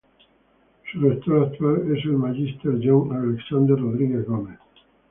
Su rector actual es el Magister John Alexander Rodríguez Gómez.